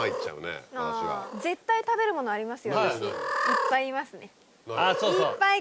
いっぱいいますね。